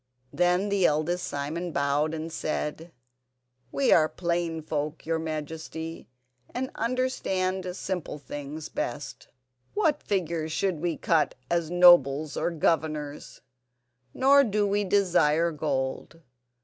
Then the eldest Simon bowed and said: "We are plain folk, your Majesty, and understand simple things best. What figures should we cut as nobles or governors? Nor do we desire gold.